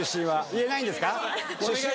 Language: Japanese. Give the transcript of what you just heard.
言えないんですか？